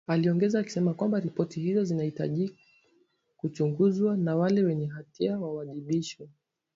Aliongeza akisema kwamba, ripoti hizo zinahitaji kuchunguzwa na wale wenye hatia wawajibishwe.